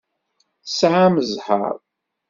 Tesɛamt zzheṛ.